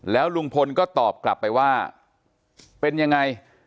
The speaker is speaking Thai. แล้วลุงพลก็ตอบกลับไปว่าเป็นยังไง